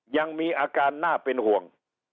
ยังมีอาการน่าเป็นห่วง